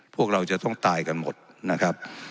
พวกเราจะต้องตายกันหมดนะครับ